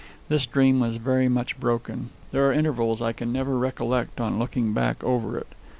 This dream was very much broken. There are intervals I can never recollect on looking back over it.